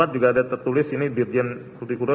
juga ada tertulis ini dirjen kutikurau